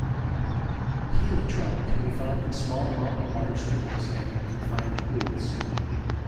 Gila trout can be found in small mountain water streams, and in confined pools.